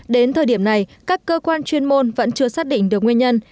đến thời điểm này các cơ quan chuyên môn vẫn chưa xác định được nguyên nhân